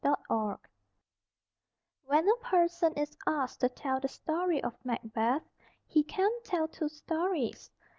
MACBETH When a person is asked to tell the story of Macbeth, he can tell two stories.